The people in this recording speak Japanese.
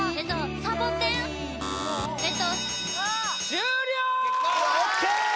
終了ー！ＯＫ！